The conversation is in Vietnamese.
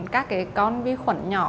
các cái con vi khuẩn nhỏ